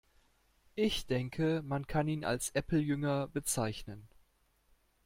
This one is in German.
Ich denke, man kann ihn als Apple-Jünger bezeichnen.